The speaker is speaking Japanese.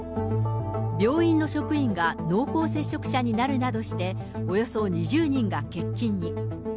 病院の職員が濃厚接触者になるなどして、およそ２０人が欠勤に。